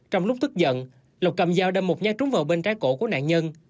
trong lúc tức giận lục cầm dao đâm một nhát trúng vào bên trái cổ của nạn nhân